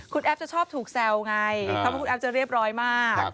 คุณแอฟจะชอบถูกแซวไงเพราะว่าคุณแอฟจะเรียบร้อยมาก